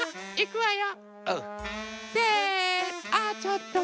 いくわよ。